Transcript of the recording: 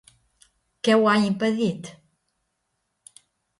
Què ho ha impedit?